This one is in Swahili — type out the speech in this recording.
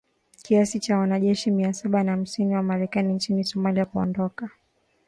kiasi cha wanajeshi mia saba na hamsini wa Marekani nchini Somalia kuondoka